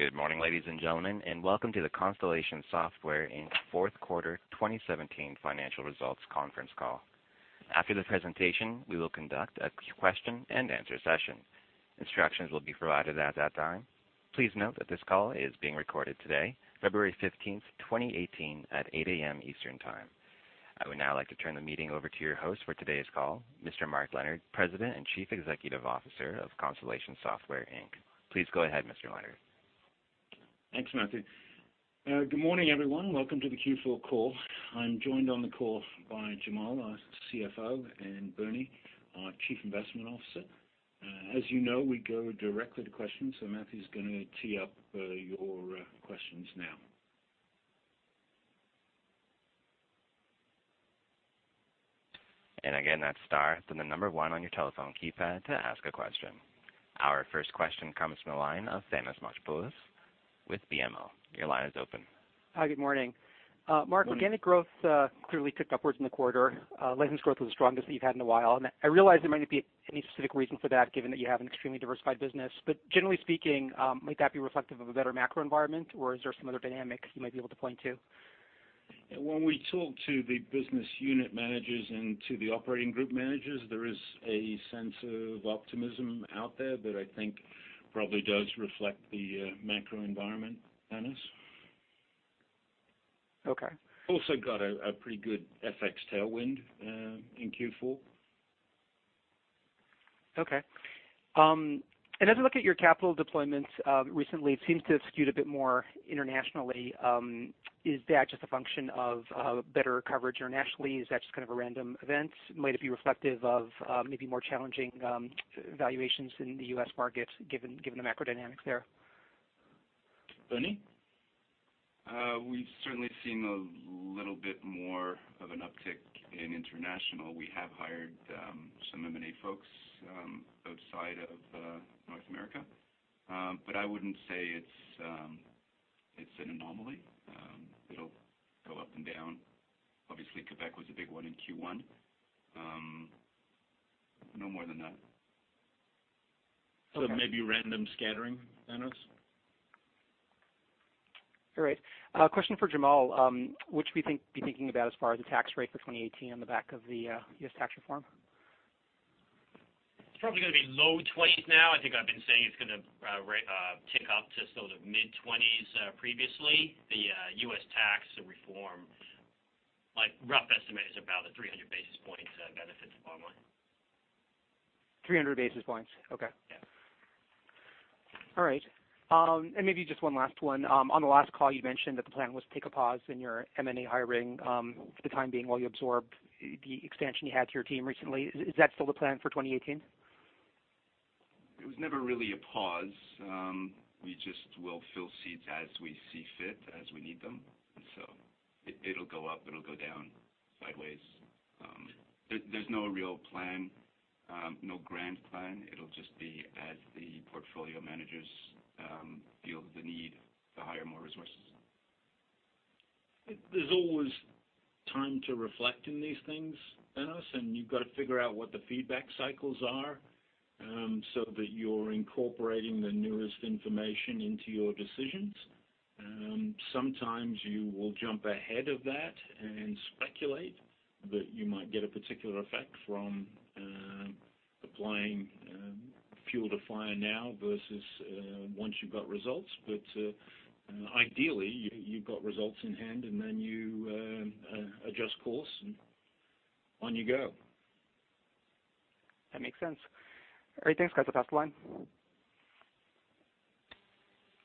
Good morning, ladies and gentlemen, and welcome to the Constellation Software Inc. fourth quarter 2017 financial results conference call. After the presentation, we will conduct a question and answer session. Instructions will be provided at that time. Please note that this call is being recorded today, February 15th, 2018, at 8:00 A.M. Eastern Time. I would now like to turn the meeting over to your host for today's call, Mr. Mark Leonard, President and Chief Executive Officer of Constellation Software Inc. Please go ahead, Mr. Leonard. Thanks, Matthew. Good morning, everyone. Welcome to the Q4 call. I'm joined on the call by Jamal, our CFO, and Bernie, our Chief Investment Officer. As you know, we go directly to questions, so Matthew's gonna tee up your questions now. Again, that's star, then the number one on your telephone keypad to ask a question. Our first question comes from the line of Thanos Moschopoulos with BMO. Hi, good morning. Morning. Mark. Organic growth clearly ticked upwards in the quarter. License growth was the strongest that you've had in a while. I realize there might not be any specific reason for that, given that you have an extremely diversified business. Generally speaking, might that be reflective of a better macro environment, or is there some other dynamic you might be able to point to? When we talk to the business unit managers and to the operating group managers, there is a sense of optimism out there that I think probably does reflect the macro environment, Thanos. Okay. Also got a pretty good FX tailwind in Q4. Okay. As I look at your capital deployments recently, it seems to have skewed a bit more internationally. Is that just a function of better coverage internationally? Is that just kind of a random event? Might it be reflective of maybe more challenging valuations in the U.S. market given the macro dynamics there? Bernie? We've certainly seen a little bit more of an uptick in international. We have hired some M&A folks outside of North America. I wouldn't say it's an anomaly. It'll go up and down. Obviously, Quebec was a big one in Q1. No more than that. Okay. Maybe random scattering, Thanos. All right. Question for Jamal. What should we be thinking about as far as the tax rate for 2018 on the back of the U.S. tax reform? It's probably gonna be low twenties now. I think I've been saying it's gonna tick up to sort of mid-twenties previously. The U.S. tax reform, like, rough estimate is about a 300 basis points benefit to the bottom line. 300 basis points. Okay. Yeah. All right. Maybe just one last one. On the last call, you mentioned that the plan was to take a pause in your M&A hiring, for the time being while you absorb the expansion you had to your team recently. Is that still the plan for 2018? It was never really a pause. We just will fill seats as we see fit, as we need them. It'll go up, it'll go down, sideways. There's no real plan, no grand plan. It'll just be as the portfolio managers feel the need to hire more resources. There's always time to reflect in these things, Thanos. You've got to figure out what the feedback cycles are, so that you're incorporating the newest information into your decisions. Sometimes you will jump ahead of that and speculate that you might get a particular effect from, applying, fuel to fire now versus, once you've got results. Ideally, you've got results in hand, and then you, adjust course, and on you go. That makes sense. All right, thanks, guys. I'll pass the line.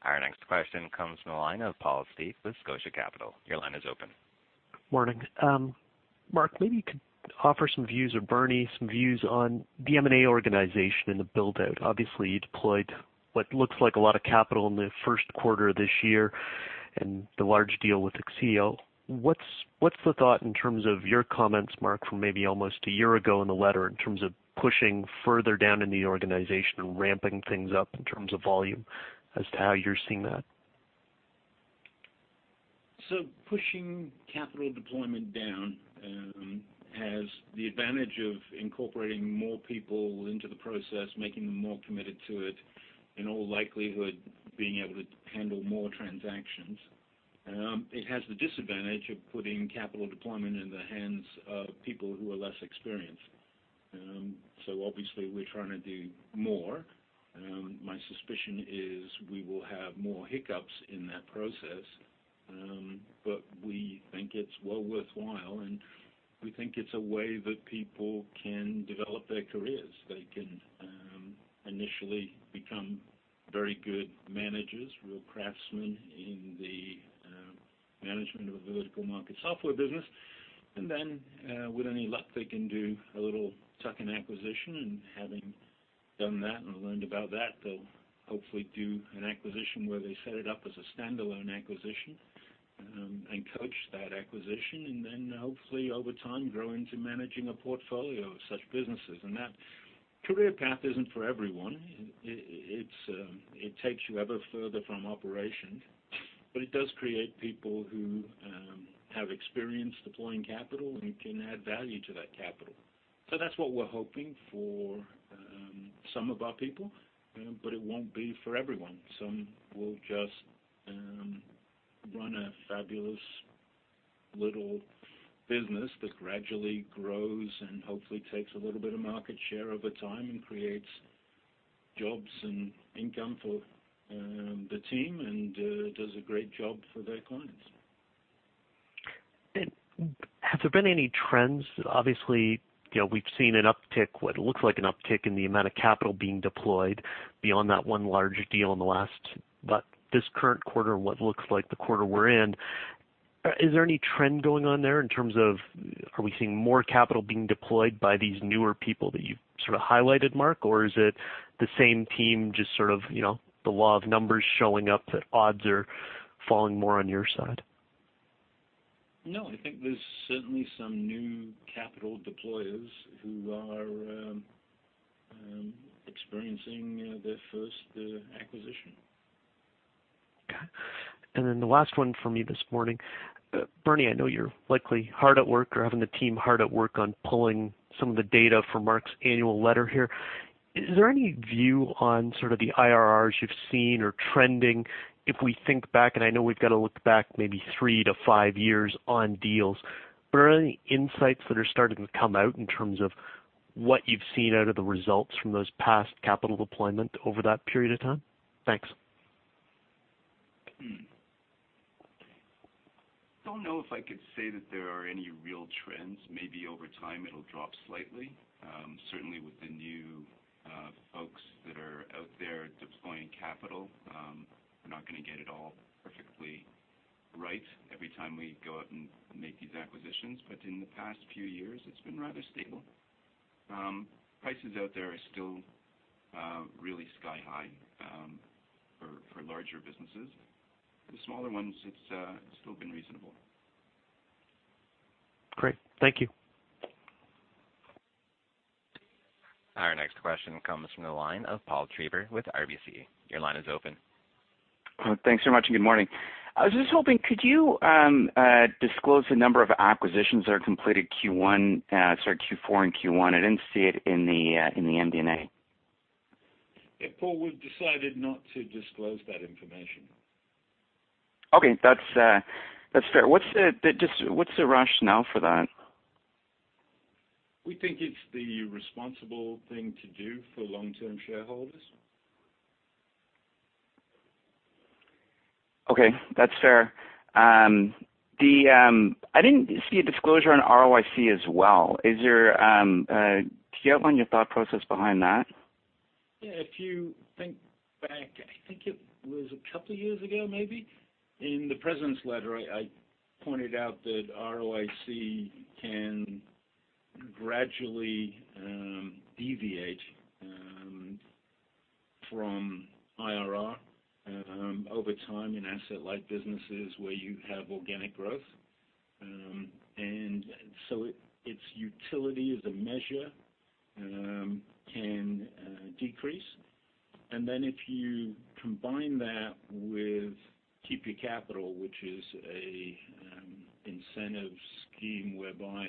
Our next question comes from the line of Paul Steep with Scotia Capital. Your line is open. Morning. Mark, maybe you could offer some views, or Bernie, some views on the M&A organization and the build-out. Obviously, you deployed what looks like a lot of capital in the first quarter of this year and the large deal with ACCEO. What's the thought in terms of your comments, Mark, from maybe almost a year ago in the letter in terms of pushing further down in the organization and ramping things up in terms of volume as to how you're seeing that? Pushing capital deployment down has the advantage of incorporating more people into the process, making them more committed to it, in all likelihood, being able to handle more transactions. It has the disadvantage of putting capital deployment in the hands of people who are less experienced. Obviously we're trying to do more. My suspicion is we will have more hiccups in that process. We think it's well worthwhile, and we think it's a way that people can develop their careers. They can initially become very good managers, real craftsmen in the management of a vertical market software business. With any luck, they can do a little tuck-in acquisition. Having done that and learned about that, they'll hopefully do an acquisition where they set it up as a standalone acquisition, and coach that acquisition, and then hopefully, over time, grow into managing a portfolio of such businesses. That career path isn't for everyone. It takes you ever further from operations, but it does create people who have experience deploying capital and can add value to that capital. That's what we're hoping for some of our people, but it won't be for everyone. Some will just run a fabulous little business that gradually grows and hopefully takes a little bit of market share over time and creates jobs and income for the team and does a great job for their clients. Have there been any trends? Obviously, you know, we've seen an uptick, what looks like an uptick in the amount of capital being deployed beyond that one large deal in the last. This current quarter, what looks like the quarter we're in, is there any trend going on there in terms of are we seeing more capital being deployed by these newer people that you've sort of highlighted, Mark? Or is it the same team, just sort of, you know, the law of numbers showing up that odds are falling more on your side? No, I think there's certainly some new capital deployers who are experiencing their first acquisition. Okay. The last one from me this morning. Bernie, I know you're likely hard at work or having the team hard at work on pulling some of the data for Mark's annual letter here. Is there any view on sort of the IRRs you've seen or trending? If we think back, and I know we've got to look back maybe three to five years on deals, but are there any insights that are starting to come out in terms of what you've seen out of the results from those past capital deployment over that period of time? Thanks. Don't know if I could say that there are any real trends. Maybe over time it'll drop slightly. Certainly with the new folks that are out there deploying capital, we're not gonna get it all perfectly right every time we go out and make these acquisitions. In the past few years, it's been rather stable. Prices out there are still really sky high for larger businesses. The smaller ones, it's still been reasonable. Great. Thank you. Our next question comes from the line of Paul Treiber with RBC. Your line is open. Thanks so much, and good morning. I was just hoping, could you disclose the number of acquisitions that are completed Q1, sorry, Q4 and Q1? I didn't see it in the MD&A. Yeah, Paul, we've decided not to disclose that information. Okay. That's fair. Just what's the rationale for that? We think it's the responsible thing to do for long-term shareholders. Okay. That's fair. I didn't see a disclosure on ROIC as well. Could you outline your thought process behind that? Yeah. If you think back, I think it was a couple of years ago maybe, in the president's letter, I pointed out that ROIC can gradually deviate from IRR over time in asset-light businesses where you have organic growth. Its utility as a measure can decrease. If you combine that with Keep Your Capital, which is an incentive scheme whereby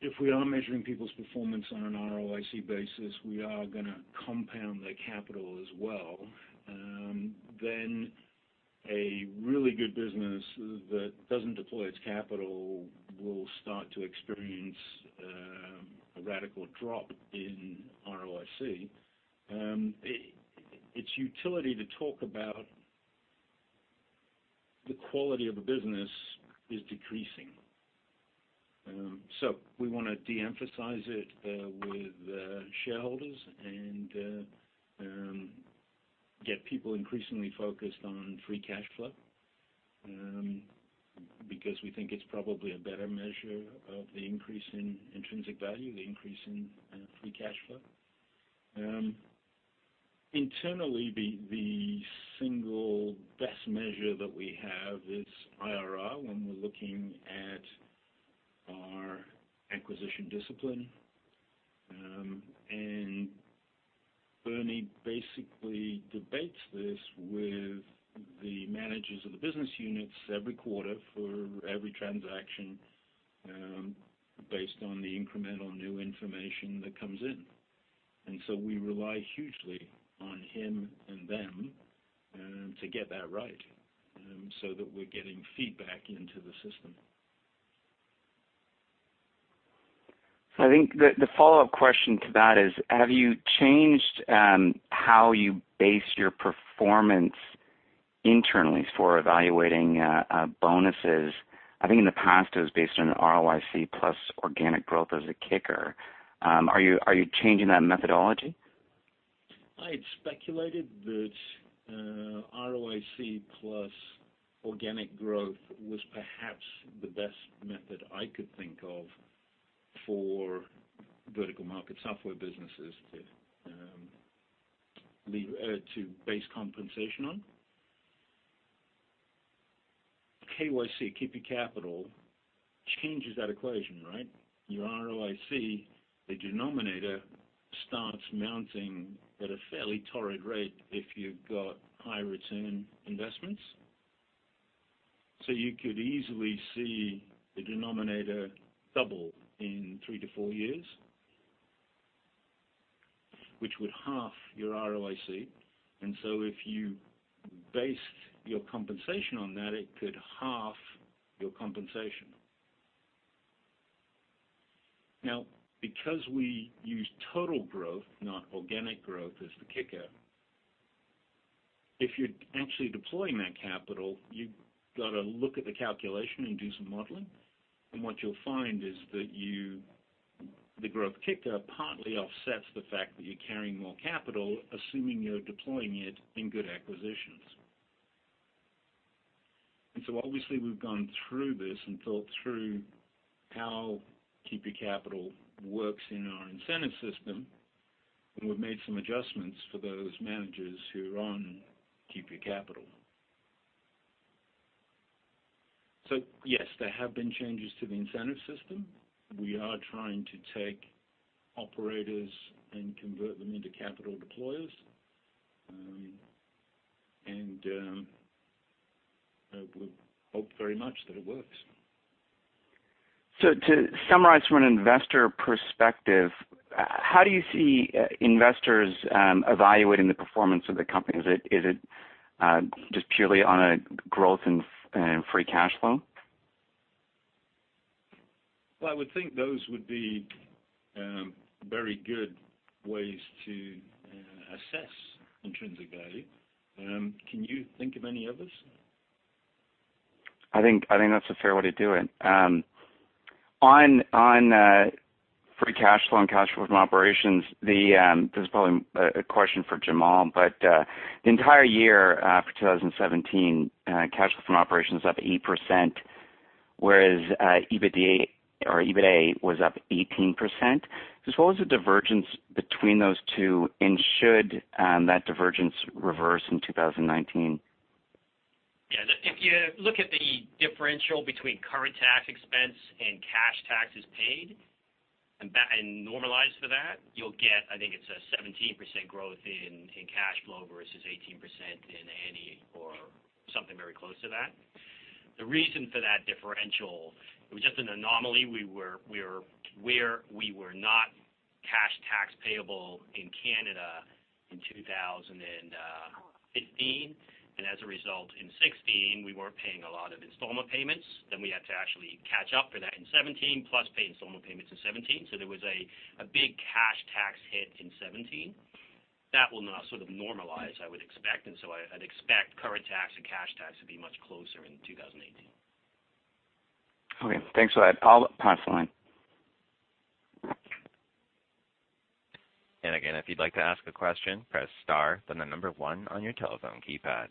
if we are measuring people's performance on an ROIC basis, we are gonna compound the capital as well, then a really good business that doesn't deploy its capital will start to experience a radical drop in ROIC. Its utility to talk about the quality of a business is decreasing. We wanna de-emphasize it with shareholders and get people increasingly focused on free cash flow because we think it's probably a better measure of the increase in intrinsic value, the increase in free cash flow. Internally, the single best measure that we have is IRR when we're looking at our acquisition discipline. Bernie basically debates this with the managers of the business units every quarter for every transaction based on the incremental new information that comes in. We rely hugely on him and them to get that right so that we're getting feedback into the system. I think the follow-up question to that is, have you changed how you base your performance internally for evaluating bonuses? I think in the past, it was based on ROIC plus organic growth as a kicker. Are you changing that methodology? I'd speculated that ROIC plus organic growth was perhaps the best method I could think of for vertical market software businesses to base compensation on. KYC, Keep Your Capital, changes that equation, right? Your ROIC, the denominator, starts mounting at a fairly torrid rate if you've got high return investments. You could easily see the denominator double in three to four years, which would half your ROIC. If you based your compensation on that, it could half your compensation. Now, because we use total growth, not organic growth as the kicker, if you're actually deploying that capital, you've gotta look at the calculation and do some modeling. What you'll find is that the growth kicker partly offsets the fact that you're carrying more capital, assuming you're deploying it in good acquisitions. Obviously, we've gone through this and thought through how Keep Your Capital works in our incentive system, and we've made some adjustments for those managers who are on Keep Your Capital. Yes, there have been changes to the incentive system. We are trying to take operators and convert them into capital deployers. We hope very much that it works. To summarize from an investor perspective, how do you see investors evaluating the performance of the company? Is it just purely on a growth and free cash flow? Well, I would think those would be very good ways to assess intrinsic value. Can you think of any others? I think that's a fair way to do it. on free cash flow and cash flow from operations, this is probably a question for Jamal, but the entire year for 2017 cash flow from operations up 8%, whereas EBITDA or EBITA was up 18%. What was the divergence between those two, and should that divergence reverse in 2019? Yeah. If you look at the differential between current tax expense and cash taxes paid and normalized for that, you'll get, I think it's a 17% growth in cash flow versus 18% in EBITA or something very close to that. The reason for that differential, it was just an anomaly. We were not cash tax payable in Canada in 2015. As a result, in 2016, we weren't paying a lot of installment payments. We had to actually catch up for that in 2017, plus pay installment payments in 2017. There was a big cash tax hit in 2017. That will now sort of normalize, I would expect. I'd expect current tax and cash tax to be much closer in 2018. Okay. Thanks for that. I'll pass the line. Again, if you'd like to ask a question, press star, then one on your telephone keypad.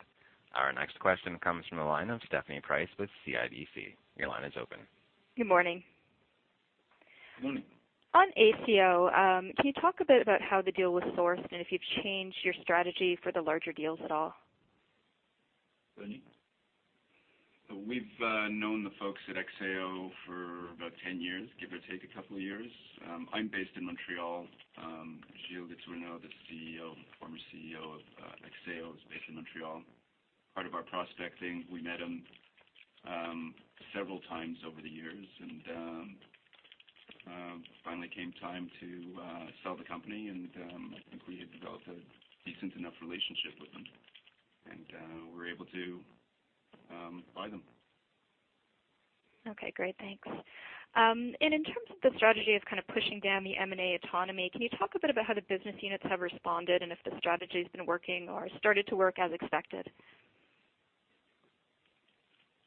Our next question comes from the line of Stephanie Price with CIBC. Your line is open. Good morning. Morning. On ACCEO, can you talk a bit about how the deal was sourced and if you've changed your strategy for the larger deals at all? Bernie? We've known the folks at ACCEO for about 10 years, give or take couple of years. I'm based in Montreal. Gilles Gatineau, the CEO, former CEO of ACCEO, is based in Montreal. Part of our prospecting, we met him several times over the years. Finally came time to sell the company, I think we had developed a decent enough relationship with them, we were able to buy them. Okay, great. Thanks. In terms of the strategy of kind of pushing down the M&A autonomy, can you talk a bit about how the business units have responded and if the strategy has been working or started to work as expected?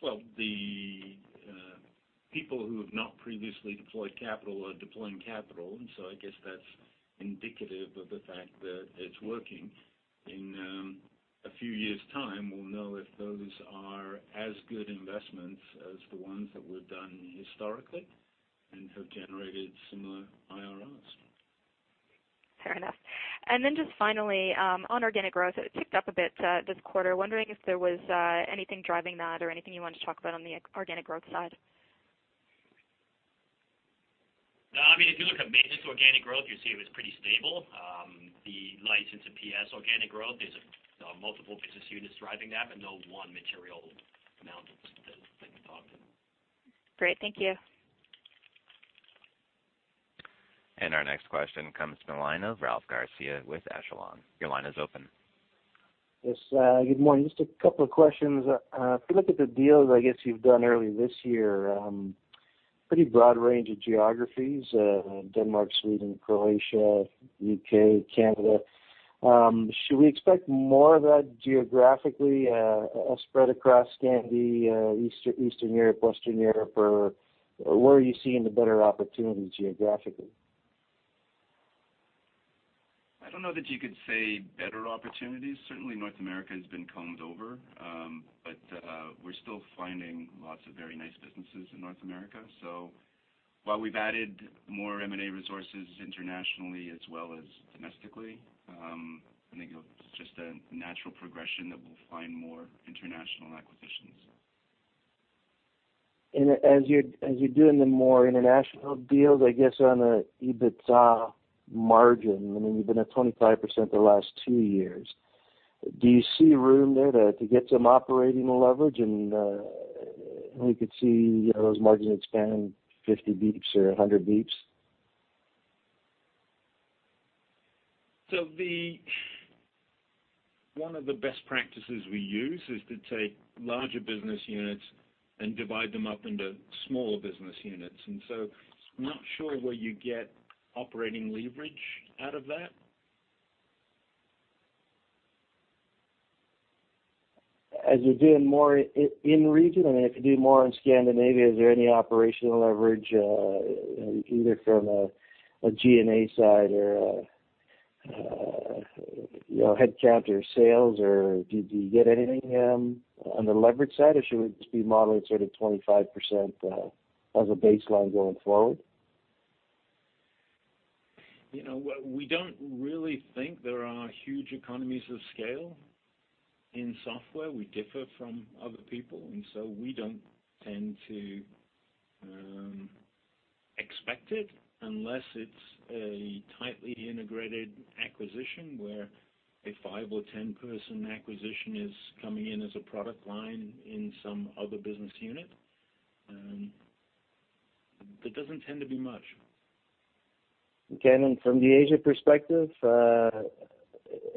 Well, the people who have not previously deployed capital are deploying capital, and so I guess that's indicative of the fact that it's working. In a few years' time, we'll know if those are as good investments as the ones that we've done historically and have generated similar IRRs. Fair enough. Then just finally, on organic growth, it ticked up a bit, this quarter. Wondering if there was anything driving that or anything you wanted to talk about on the organic growth side. No, I mean, if you look at maintenance organic growth, you'll see it was pretty stable. The license and PS organic growth, there's multiple business units driving that, but no one material amount that we can talk to. Great. Thank you. Our next question comes from the line of Ralph Garcea with Echelon. Your line is open. Yes, good morning. Just a couple of questions. If you look at the deals, I guess, you've done early this year, pretty broad range of geographies, Denmark, Sweden, Croatia, U.K., Canada. Should we expect more of that geographically spread across Scandi, Eastern Europe, Western Europe, or where are you seeing the better opportunities geographically? I don't know that you could say better opportunities. Certainly, North America has been combed over. We're still finding lots of very nice businesses in North America. While we've added more M&A resources internationally as well as domestically, I think it's just a natural progression that we'll find more international acquisitions. As you're doing the more international deals, I guess on an EBITDA margin, I mean, you've been at 25% the last two years. Do you see room there to get some operating leverage and we could see those margins expand 50 basis points or 100 basis points? One of the best practices we use is to take larger business units and divide them up into smaller business units. I'm not sure where you get operating leverage out of that. As you're doing more in region, I mean, if you do more in Scandinavia, is there any operational leverage, either from a G&A side or a, you know, head count or sales? Or do you get anything on the leverage side, or should we just be modeling sort of 25% as a baseline going forward? You know, we don't really think there are huge economies of scale in software. We differ from other people. We don't tend to expect it unless it's a tightly integrated acquisition where a five or 10-person acquisition is coming in as a product line in some other business unit. There doesn't tend to be much. Okay. From the Asia perspective,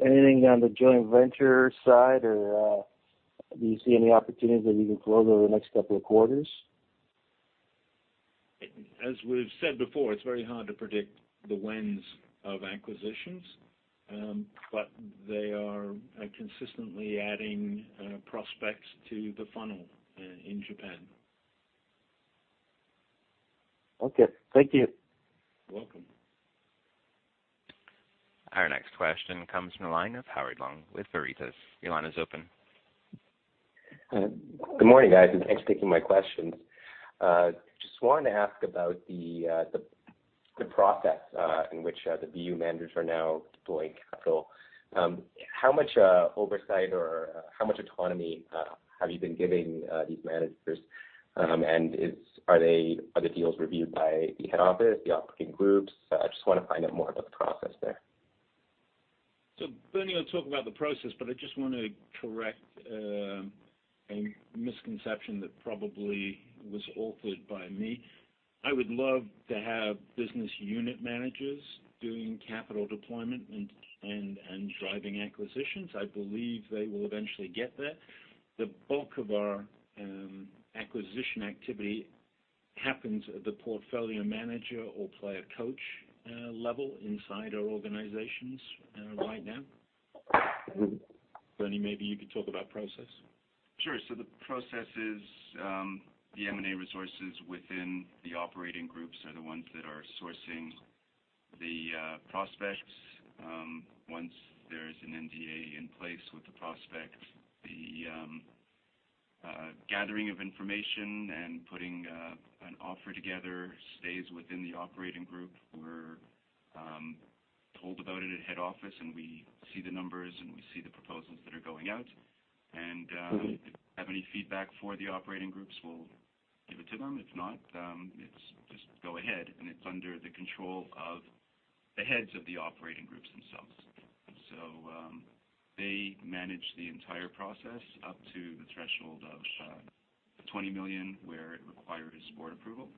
anything on the joint venture side or, do you see any opportunities that you can close over the next couple of quarters? As we've said before, it's very hard to predict the wins of acquisitions, but they are consistently adding prospects to the funnel in Japan. Okay. Thank you. Welcome. Our next question comes from the line of Howard Leung with Veritas. Your line is open. Good morning, guys, and thanks for taking my questions. Just wanted to ask about the process in which the BU managers are now deploying capital. How much oversight or how much autonomy have you been giving these managers? Are the deals reviewed by the head office, the operating groups? I just wanna find out more about the process there. Bernie will talk about the process, but I just want to correct a misconception that probably was altered by me. I would love to have business unit managers doing capital deployment and driving acquisitions. I believe they will eventually get there. The bulk of our acquisition activity happens at the portfolio manager or player coach level inside our organizations right now. Bernie, maybe you could talk about process. Sure. The process is, the M&A resources within the operating groups are the ones that are sourcing the prospects. Once there's an NDA in place with the prospect, the gathering of information and putting an offer together stays within the operating group. We're told about it at head office, and we see the numbers, and we see the proposals that are going out. If we have any feedback for the operating groups, we'll give it to them. If not, it's just go ahead, and it's under the control of the heads of the operating groups themselves. They manage the entire process up to the threshold of 20 million, where it requires board approval.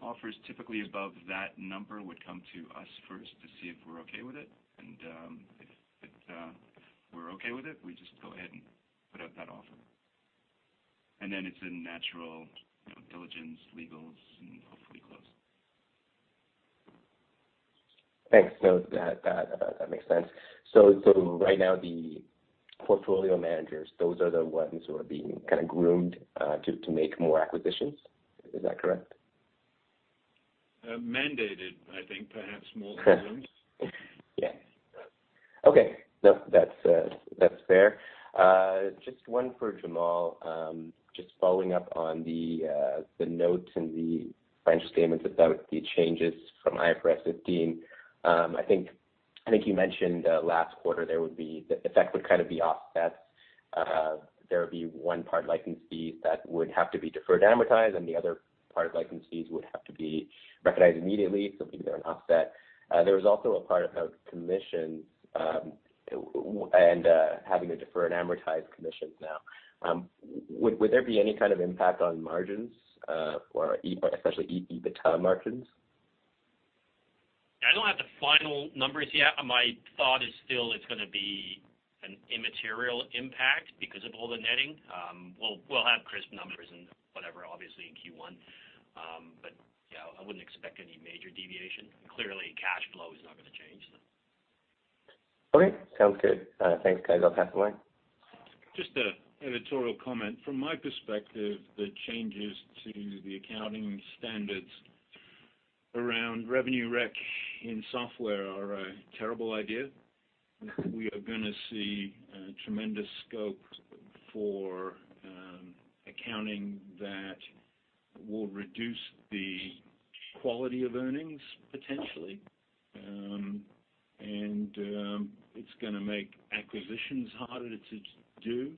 Offers typically above that number would come to us first to see if we're okay with it. If, if we're okay with it, we just go ahead and put out that offer. It's a natural, you know, diligence, legals, and hopefully close. Thanks. No, that makes sense. Right now, the portfolio managers, those are the ones who are being kind of groomed, to make more acquisitions. Is that correct? Mandated, I think perhaps more than groomed. Yeah. Okay. No, that's fair. Just one for Jamal. Just following up on the notes and the financial statements about the changes from IFRS 15. I think you mentioned last quarter the effect would kind of be offset. There would be one part license fees that would have to be deferred amortized, and the other part of license fees would have to be recognized immediately, so maybe they're an offset. There was also a part about commissions, and having to defer and amortize commissions now. Would there be any kind of impact on margins, or especially EBITDA margins? I don't have the final numbers yet. My thought is still it's gonna be an immaterial impact because of all the netting. We'll have crisp numbers and whatever, obviously in Q1. You know, I wouldn't expect any major deviation. Clearly, cash flow is not gonna change. Okay. Sounds good. Thanks, guys. I'll pass the line. Just an editorial comment. From my perspective, the changes to the accounting standards around revenue rec in software are a terrible idea. We are going to see a tremendous scope for accounting that will reduce the quality of earnings potentially. It's going to make acquisitions harder to do.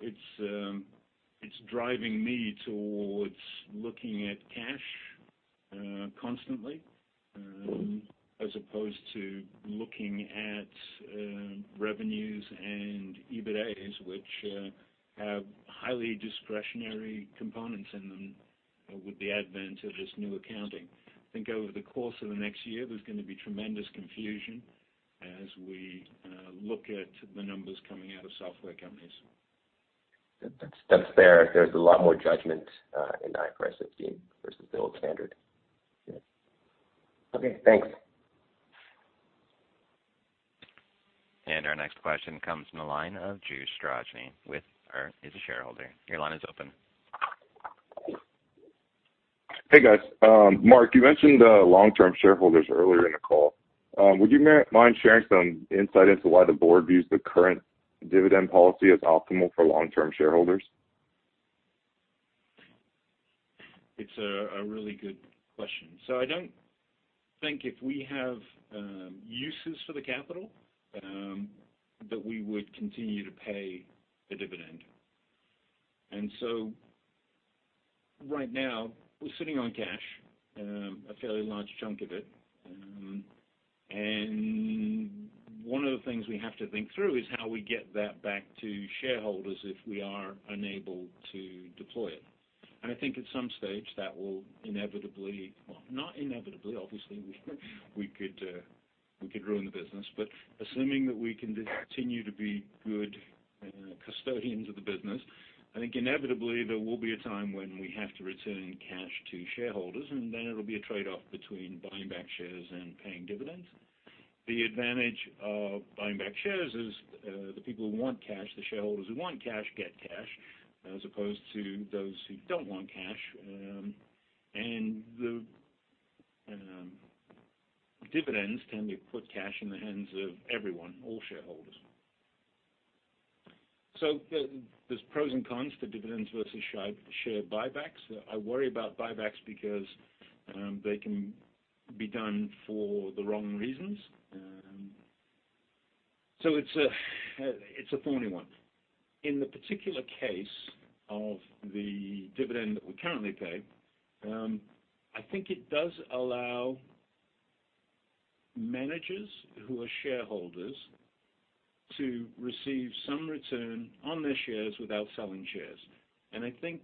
It's driving me towards looking at cash constantly, as opposed to looking at revenues and EBITA, which have highly discretionary components in them with the advent of this new accounting. I think over the course of the next year, there's going to be tremendous confusion as we look at the numbers coming out of software companies. That's fair. There's a lot more judgment in IFRS 15 versus the old standard. Yeah. Okay. Thanks. Our next question comes from the line of Drew Strosney or is a shareholder. Your line is open. Hey, guys. Mark, you mentioned long-term shareholders earlier in the call. Would you mind sharing some insight into why the board views the current dividend policy as optimal for long-term shareholders? It's a really good question. I don't think if we have uses for the capital that we would continue to pay a dividend. Right now we're sitting on cash, a fairly large chunk of it. One of the things we have to think through is how we get that back to shareholders if we are unable to deploy it. I think at some stage that will inevitably, well, not inevitably, obviously, we could ruin the business. Assuming that we can continue to be good custodians of the business, I think inevitably there will be a time when we have to return cash to shareholders, and then it'll be a trade-off between buying back shares and paying dividends. The advantage of buying back shares is the people who want cash, the shareholders who want cash, get cash, as opposed to those who don't want cash. The dividends tend to put cash in the hands of everyone, all shareholders. There's pros and cons to dividends versus share buybacks. I worry about buybacks because they can be done for the wrong reasons. It's a, it's a thorny one. In the particular case of the dividend that we currently pay, I think it does allow managers who are shareholders to receive some return on their shares without selling shares. I think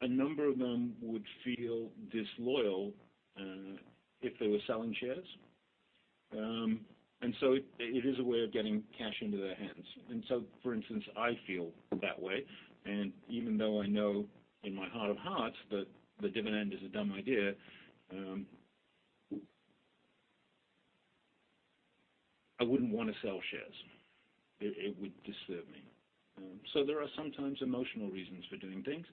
a number of them would feel disloyal if they were selling shares. It, it is a way of getting cash into their hands. For instance, I feel that way. Even though I know in my heart of hearts that the dividend is a dumb idea, I wouldn't wanna sell shares. It would disturb me. There are sometimes emotional reasons for doing things.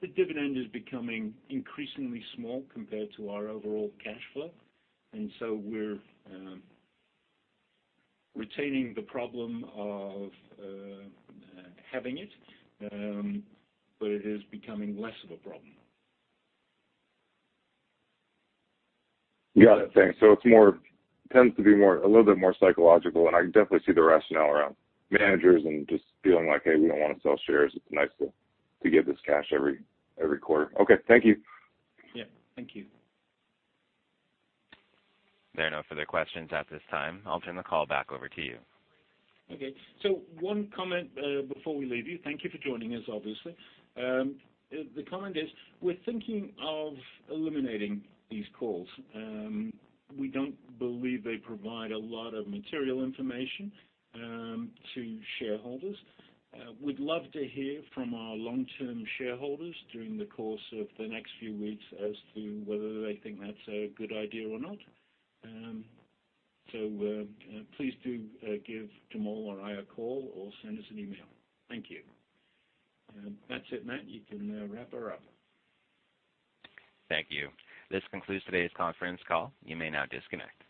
The dividend is becoming increasingly small compared to our overall cash flow, and so we're retaining the problem of having it, but it is becoming less of a problem. Got it. Thanks. It tends to be a little bit more psychological, I definitely see the rationale around managers and just feeling like, "Hey, we don't wanna sell shares. It's nice to get this cash every quarter." Okay, thank you. Yeah. Thank you. There are no further questions at this time. I'll turn the call back over to you. Okay. One comment before we leave you. Thank you for joining us, obviously. The comment is, we're thinking of eliminating these calls. We don't believe they provide a lot of material information to shareholders. We'd love to hear from our long-term shareholders during the course of the next few weeks as to whether they think that's a good idea or not. Please do give Jamal or I a call or send us an email. Thank you. That's it, Matt. You can wrap her up. Thank you. This concludes today's conference call. You may now disconnect.